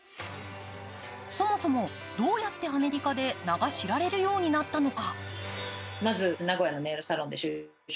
そもそも、どうやってアメリカで名が知られるようになったのか。